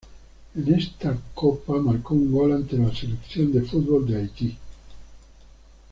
En esta copa marcó un gol ante la Selección de fútbol de Haití.